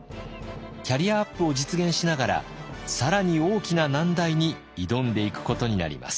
キャリアアップを実現しながら更に大きな難題に挑んでいくことになります。